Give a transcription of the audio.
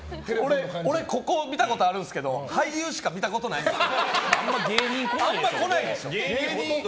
俺ここ見たことあるんですけど俳優しか見たことないんですよ。